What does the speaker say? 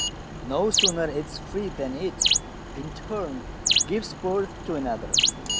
No sooner is it free than it in turn gives birth to another.